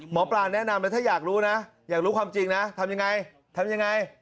หมอปลาแนะนำถ้าอยากรู้นะอยากรู้ความจริงนะทำยังไง